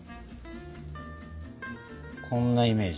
こんなイメージ。